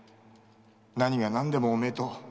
何が何でもおめえと〕